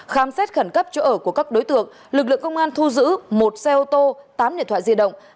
khám xét khẩn cấp chỗ ở của các đối tượng lực lượng công an thu giữ một xe ô tô tám điện thoại di động